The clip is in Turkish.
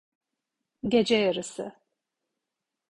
Gece yarısı.